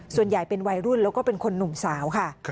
ส่วนใหญ่เป็นวัยรุ่นแล้วก็เป็นคนหนุ่มสาวค่ะ